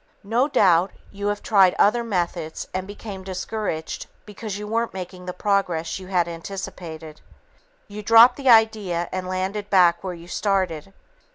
No doubt, you have tried other methods and became discouraged because you weren't making the progress you had anticipated. You dropped the idea and landed back where you started.